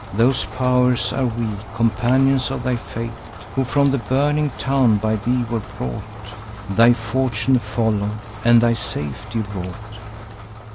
Those pow'rs are we, companions of thy fate, Who from the burning town by thee were brought, Thy fortune follow'd, and thy safety wrought.